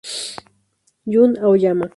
Jun Aoyama